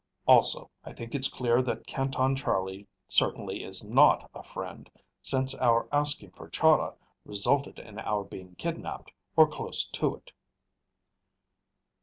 Also, I think it's clear that Canton Charlie certainly is not a friend, since our asking for Chahda resulted in our being kidnaped, or close to it."